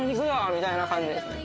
みたいな感じ。